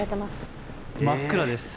真っ暗です。